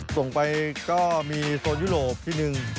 ส่งไปก็มีโซนยุโรปที่หนึ่ง